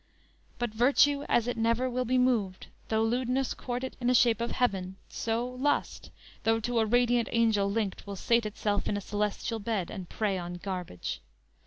But virtue, as it never will be moved, Though lewdness court it in a shape of heaven, So lust, though to a radiant angel linked Will sate itself in a celestial bed And prey on garbage.